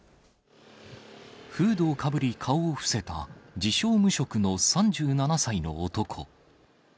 フードをかぶり顔を伏せた、自称無職の３７歳の男。